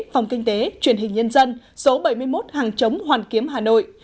phòng kinh tế truyền hình nhân dân số bảy mươi một hàng chống hoàn kiếm hà nội